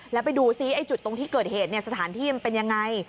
แล้วไปดูซิไอ้จุดตรงที่เกิดเหตุสถานที่มันเป็นยังไง